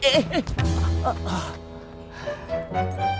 tunggu bentar ya kakak